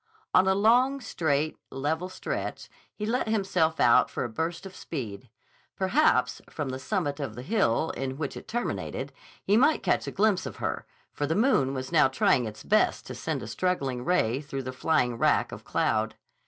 On a long, straight, level stretch he let himself out for a burst of speed. Perhaps, from the summit of the hill in which it terminated, he might catch a glimpse of her, for the moon was now trying its best to send a struggling ray through the flying wrack of cloud.